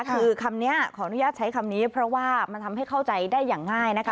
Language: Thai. คือคำนี้ขออนุญาตใช้คำนี้เพราะว่ามันทำให้เข้าใจได้อย่างง่ายนะคะ